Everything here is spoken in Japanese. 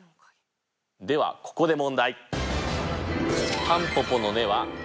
ではここで問題。